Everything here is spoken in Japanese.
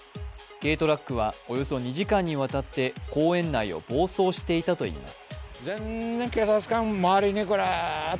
軽トラックはおよそ２時間にわたって公園内を暴走していたといいます。